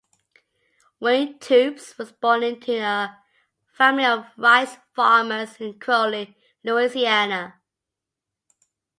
Wayne Toups was born into a family of rice farmers in Crowley, Louisiana.